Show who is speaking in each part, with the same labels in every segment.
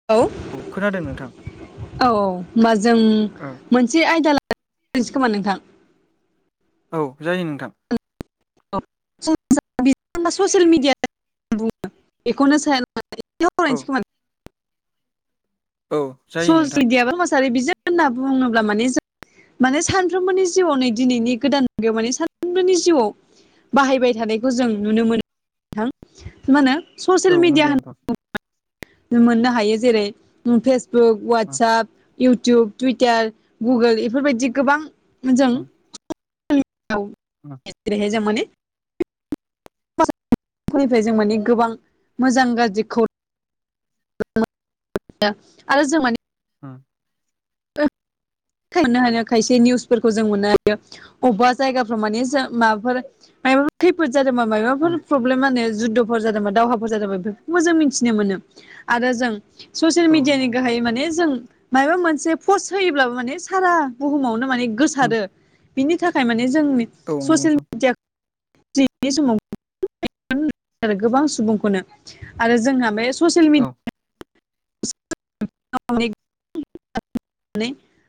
Speaker 1: औ
Speaker 2: औ खोनादों नोंथां
Speaker 1: औ होमबा जों
Speaker 2: औ
Speaker 1: मोनसे आयदा लासै खोमा नोंथां।
Speaker 2: औ जायो नोंथां
Speaker 1: [unintelligible] ससियेल मिडिया बुङो बेखौनो साया बेयाव
Speaker 2: औ
Speaker 1: आवरायसै खोमा
Speaker 2: औ
Speaker 1: [unintelligible]
Speaker 2: जायो नोंथां
Speaker 1: समासारि बिजों होनना बुङोब्ला माने जों माने सानफ्रोमबोनि जिउआव नै दिनैनि गोदान मुगायाव माने सानफ्रोमबोनि जिउआव बाहायबाय थानायखौ जों नुनो मोनोथां मा होनो
Speaker 2: औ
Speaker 1: ससियेल मिडिया
Speaker 2: नंगौ नोंथां
Speaker 1: होन [unintelligible] मोननो हायो जेरै Facebook WhatsApp YouTube Twitter Google बेफोरबायदि गोबां जों
Speaker 2: उम
Speaker 1: औ
Speaker 2: [inaudible]
Speaker 1: जेरैहाय जों माने फोरनिफ्राय जों माने गोबां मोजां गाज्रि खौ [unintelligible] आरो जों माने
Speaker 2: उ
Speaker 1: खालामनो हानाय खायसे निउसफोरखौ जों मोननो हायो अबेबा जायगाफ्राव माने जो माबाफोर माबाफोर खैफोद जादोंबा
Speaker 2: उम
Speaker 1: माबाफोर प्रब्लेमानो जुदद जादोंबा दावहाफोर जादोंबा बेफोरखौबो जों मिथिनो मोनो आरो जों ससियेल
Speaker 2: औ नंगौ
Speaker 1: मिडियानि
Speaker 2: नोंथां
Speaker 1: गाहायै माने जों मायबा मोनसे पस होयोब्लाबो माने सारा बुहुमावनो माने
Speaker 2: उम
Speaker 1: गोसारो बिनि थाखाय माने जोंनि
Speaker 2: औ नंगौ
Speaker 1: ससियेल
Speaker 2: नोंथां
Speaker 1: मिडिया समाव आरो गोबां सुबुंखौनो आरो जोंहा बे ससियेल मिडिया
Speaker 2: [unintelligible] [unintelligible]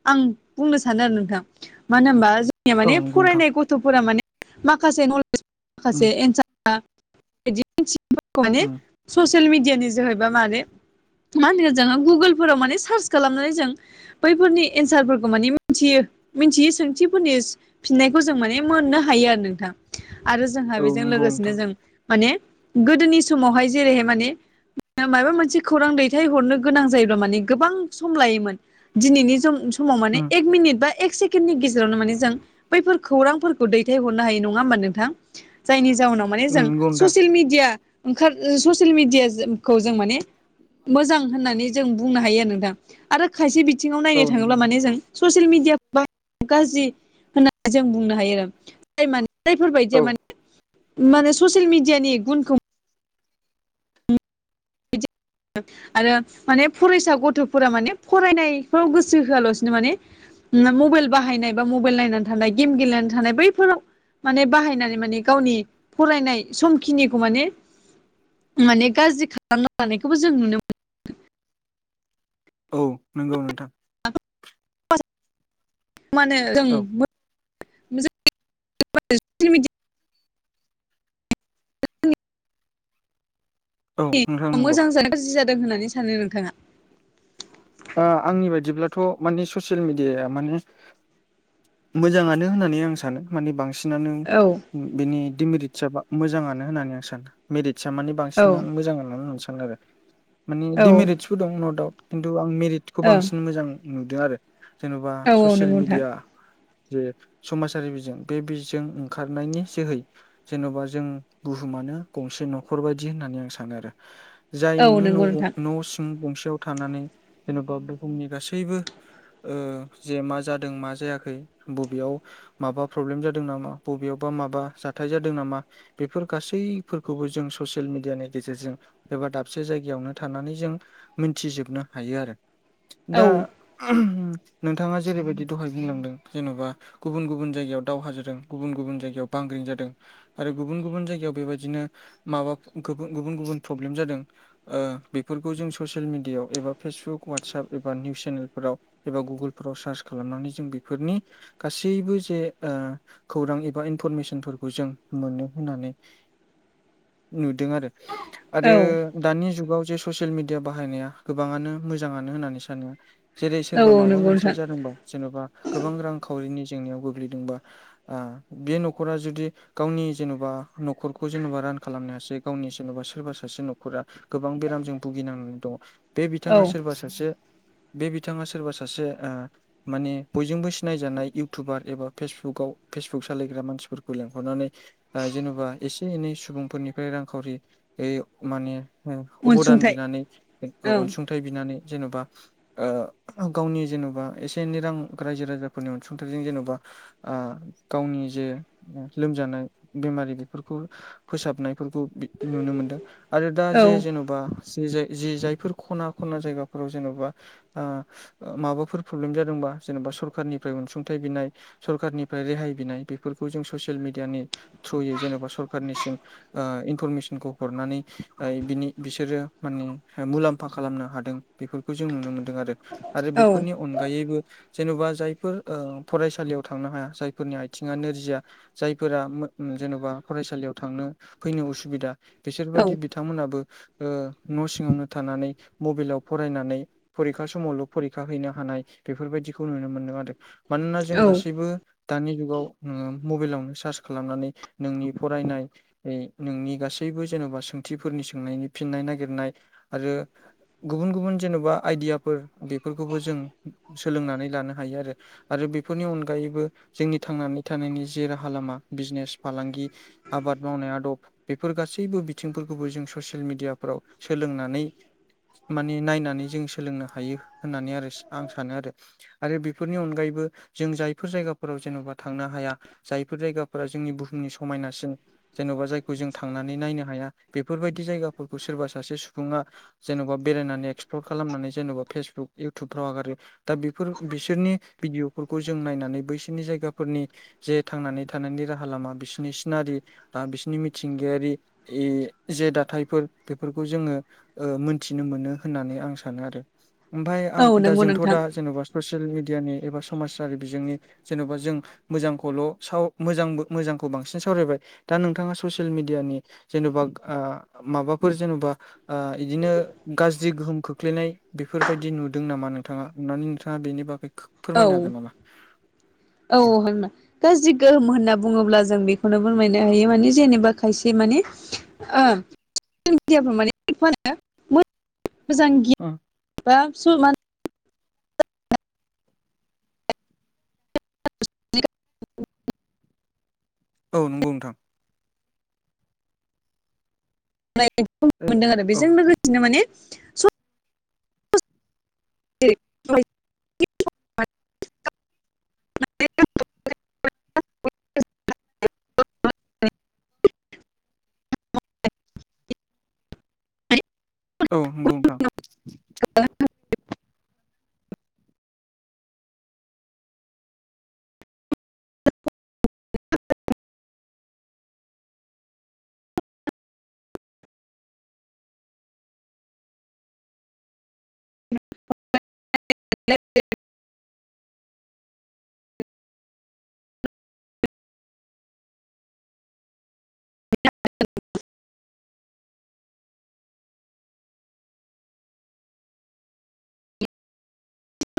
Speaker 1: आं बुंनो सानो आरो नोंथां मानो होनबा जों जोंनिया
Speaker 2: नंगौ
Speaker 1: माने
Speaker 2: नोंथां
Speaker 1: फरायनाय गथ'फोरा माने माखासे नलेज माखासे
Speaker 2: उम
Speaker 1: एन्सार बिदि मिथियैफोरखौ माने
Speaker 2: उम
Speaker 1: ससियेल मिडियानि जोहैबा माने मा होनगोन जोङो गुगोलफोराव माने सार्च खालामनानै जों बैफोरनि एन्सारफोरखौ मानि मिथियो मिथियो सोंथिफोरनि फिननायखौ जों माने मोननो हायो आरो नोंथां आरो जोंहा
Speaker 2: औ
Speaker 1: बेजों
Speaker 2: नंगौ
Speaker 1: लोगोसेनो
Speaker 2: नोंथां
Speaker 1: जों माने गोदोनि समावहाय जेरैहाय माने माबा मोनसे खौरां दैथायहरनो दैथायहरनो गोनां जायोब्ला माने गोबां सम लायोमोन दिनैनि समाव समाव
Speaker 2: उम
Speaker 1: एक मिनिट बा एक सेकेण्ड नि गेजेरावनो माने जों बैफोर खौरांफोरखौ दैथाय हरनो हायो नङा होमबा नोंथां जायनि जाउनाव माने
Speaker 2: उम
Speaker 1: जों
Speaker 2: नंगौ नोंथां
Speaker 1: ससियेल मिडिया ओंखार ससियेल मिडियाखौ जों माने मोजां होननानै जों बुंनो हायो आरो नोंथां आरो खायसे बिथिङाव
Speaker 2: औ
Speaker 1: नायनो
Speaker 2: नंगौ
Speaker 1: थाङोब्ला
Speaker 2: नोंथां
Speaker 1: माने जों ससियेल मिडियाखौ गाज्रि होननानै जों बुंनो हायो आरो जाय माने जायफोरबायदिया
Speaker 2: औ
Speaker 1: माने माने ससियेल मिडियानि गुनखौ आरो माने फरायसा गथ'फोरा माने फरायनायफ्राव गोसो होआलासिनो माने मबाइल बाहायनाय बा मबाइल नायनानै थानाय गेम गेलेनानै थानाय बैफोराव माने बाहायनानै माने गावनि फरायनाय समखिनिखौ माने माने गाज्रि खालामना लानायखौबो जों नुनो मोनो
Speaker 2: औ नंगौ नोंथां
Speaker 1: मा होनो जों
Speaker 2: औ
Speaker 1: मोजां
Speaker 2: औ नोंथां
Speaker 1: मोजां
Speaker 2: नंगौ
Speaker 1: जादों ना गाज्रि जादों होननानै सानो नोंथाङा
Speaker 2: आंनि बायदिब्लाथ' माने ससियेल मिडियाया माने मोजाङानो होननानै आं सानो मानि बांसिनानो
Speaker 1: औ
Speaker 2: बिनि डिमेरिटसा मोजाङानो होननानै आं सानो मेरिटस आ मानि
Speaker 1: औ
Speaker 2: बांसिनानो मोजां होननानै आं सानो आरो माने
Speaker 1: औ ओं
Speaker 2: डिमेरिटसफोर दं न' दाउट खिन्थु आं मेरिटसखौ
Speaker 1: औ
Speaker 2: बांसिन मोजां नुदों आरो जेन'बा
Speaker 1: औ
Speaker 2: ससियेल
Speaker 1: नंगौ नोंथां
Speaker 2: मिडिया जे समाजारि बिजों बे बिजों ओंखारनायनि जोहै जेन'बा जों बुहुमानो गंसे न'खर बायदि होननानै आं सानो आरो जाय
Speaker 1: औ
Speaker 2: नोङो
Speaker 1: नंगौ
Speaker 2: न'
Speaker 1: नोंथां
Speaker 2: न' सिं गंसेयाव थानानै जेन'बा बुहुमनि गासैबो ओ जे मा जादों मा जायाखै बबेयाव माबा प्रब्लेम जादों नामा बबेयावबा माबा जाथाय जादों नामा बेफोर गासैफोरखौबो जों ससियेल मिडियानि गेजेरजों एबा दाबसे जायगायावनो थानानै जों मिथिजोबनो हायो आरो
Speaker 1: औ
Speaker 2: दा नोंथाङा जेरैबायदि दहाय बुंलांदों जेन'बा गुबुन गुबुन जायगायाव दावहा जादों गुबुन गुबुन जायगायाव बांग्रिं जादों आरो गुबुन गुबुन जायगायाव बेबायदिनो माबा गुबुन गुबुन प्रब्लेम जादों बेफोरखौ जों ससियेल मिडियायाव एबा फेसबुक वाटसप एबा निउस चेनेलफोराव एबा गुगोलफोराव सार्च खालामनानै जों बेफोरनि गासैबो जे ओ खौरां एबा इनफरमेसनफोरखौ जों मोनो होननानै नुदों आरो आरो
Speaker 1: औ
Speaker 2: दानि जुगाव जे ससियेल मिडिया बाहायनाया गोबाङानो मोजाङानो होननानै सानो जेरै सोरबा
Speaker 1: औ
Speaker 2: माबा
Speaker 1: नंगौ
Speaker 2: मोनसे
Speaker 1: नोंथां
Speaker 2: जादोंबा जेन'बा गोबां रांखावरिनि जेंनायाव गोग्लैदोंबा आ बे न'खरा जुदि गावनि जेन'बा न'खरखौ जेन'बा रान खालामनो हासै गावनि जेन'बा सोरबा सासे न'खरा गोबां बेरामजों भुगिनांनानै दङ बे
Speaker 1: औ
Speaker 2: बिथाङा सोरबा सासे बे बिथाङा सोरबा सासे माने बयजोंबो सिनायजानाय इउटुबार एबा फेसबुकाव फेसबुक सालायग्रा मानसिफोरखौ लेंहरनानै जेन'बा एसे एनै सुबुंफोरनिफ्राय रांखावरि माने अब'दान
Speaker 1: अनसुंथाइ
Speaker 2: बिनानै
Speaker 1: औ
Speaker 2: अनसुंथाइ बिनानै जेन'बा ओ गावनि जेन'बा एसे एनै रां रायजो राजाफोरनि अनसुंथाइजों जेन'बा आ गावनि जे लोमजानाय बेमारि बेफोरखौ फोसाबनायफोरखौ नुनो मोनदों आरो दा
Speaker 1: औ
Speaker 2: जे जेन'बा जे जायफोरखौ खना खना जायगाफोराव जेन'बा माबाफोर फ्रब्लेम जादोंबा जेनेबा सरखारारनिफ्राय अनसुंथाइ बिनाय सरखारनिफ्राय रेहाय बिनाय बेफोरखौ जों ससियेल मिडियानि थ्रुयै जेन'बा सरखारनिसिम आ इनफरमेसनखौ हरनानै बिनि बिसोरो माने मुलाम्फा खालामनो हादों बेफोरखौ जों नुनो मोनदों आरो आरो
Speaker 1: औ
Speaker 2: बेफोरनि अनगायैबो जेन'बा जायफोर फरायसालियाव थांनो हाया जायफोरनि आथिङा नोरजिया जायफोरा जेन'बा फरायसालियाव थांनो फैनो उसुबिदा
Speaker 1: औ
Speaker 2: बिसोरबायदि बिथांमोनाबो ओ न' सिङावनो थानानै मबाइलाव फरायनानै फरिखा समावल' फरिखा हैनो हानाय बेफोरबायदिखौ नुनो मोन्दों आरो मानोना जों
Speaker 1: औ
Speaker 2: गासैबो दानि जुगाव नोङो मबाइलावनो सारज खालामनानै नोंनि फरायनाय नोंनि गासैबो जेन'बा सोंथिफोरनि सोंनायनि फिननाय नागिरनाय आरो गुबुन गुबुन जेन'बा आइदियाफोर बेफोरखौबो जों सोलोंनानै लानो हायो आरो आरो बेफोरनि अनगायैबो जोंनि थांनानै थानायनि जे राहा लामा बिजनेस फालांगि आबाद मावनाय आदब बेफोर गासैबो बिथिंफोरखौबो जों ससियेल मिडियाफ्राव सोलोंनानै माने नायनानै जों सोलोंनो हायो होननानै आरो आं सानो आरो आरो बेफोरनि अनगायैबो जों जायफोर जायगाफोराव जेन'बा थांनो हाया जायफोर जायगाफोरा जोंनि बुहुमनि समायनासिन जेन'बा जायखौ जों थांनानै नायनो हाया बेफोरबायदि जायगाफोरखौ सोरबा सासे सुबुङा जेन'बा बेरायनानै एक्सप्लर खालामनानै जेनेबा फेसबुक इउटुबफ्राव आगारो दा बेफोर बिसोरनि भिडिअ'फोरखौ जों नायनानै बैसोरनि जायगाफोरनि जे थांनानै थानायनि राहा लामा बिसोरनि सिनारि दा बिसोरनि मिथिंगायारि जे दाथायाइफोर बेफोरखौ जोङो ओ मोन्थिनो मोनो होननानै आं सानो आरो ओमफाय आं
Speaker 1: औ
Speaker 2: दा
Speaker 1: नंगौ
Speaker 2: जोंथ'
Speaker 1: नोंथां
Speaker 2: दा जेन'बा ससियेल मिडियानि एबा समाजारि बिजोंनि जेन'बा जों मोजांखौल' मोजांबो मोजांखौ बांसिन सावरायबाय दा नोंथाङा ससियेल मिडियानि जेन'बा माबाफोर जेन'बा ओ बिदिनो गाज्रि गोहोम खोख्लैनाय बेफोरबायदि नुदों नामा नोंथाङा अननानै नोंथाङा बेनि बागै
Speaker 1: औ
Speaker 2: फोरमायनो हागोन नामा?
Speaker 1: औ [unintelligible] गाज्रि गोहोम होनना बुङोब्ला जों बेखौनो फोरमायनो हायो माने जेनेबा खायसे माने [unintelligible] सेल मिडियाफ्राव माने फानो मोजां [inaudible] [inaudible]
Speaker 2: औ नंगौ नोंथां
Speaker 1: लाइ मोनदों आरो
Speaker 2: औ
Speaker 1: बेजों लोगोसेनो माने स [unintelligible] [unintelligible]
Speaker 2: औ नंगौ नोंथां
Speaker 1: [unintelligible]